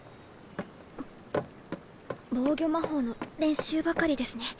防御魔法の練習ばかりですね。